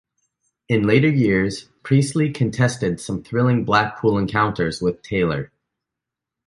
In later years, Priestley contested some thrilling Blackpool encounters with Taylor.